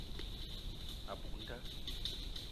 A buk nda.